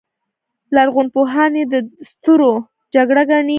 لرغونپوهان یې د ستورو جګړه ګڼي.